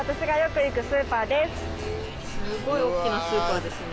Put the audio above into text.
すっごい大きなスーパーですね。